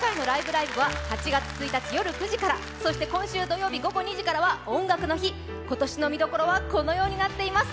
ライブ！」は８月１日夜９時から、そして今週土曜日午後２時からは今年の見どころはこのようになっています。